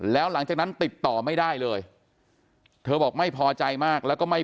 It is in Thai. แล้วหลังจากนั้นติดต่อไม่ได้เลยเธอบอกไม่พอใจมากแล้วก็ไม่